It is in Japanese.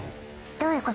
どういうこと？